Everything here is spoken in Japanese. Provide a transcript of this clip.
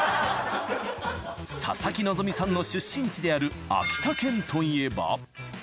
佐々木希さんの出身地である秋田県といえば。